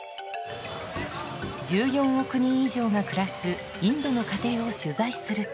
１４億人以上が暮らすインドの家庭を取材すると